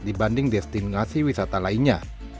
dibanding destinasi wisata lainnya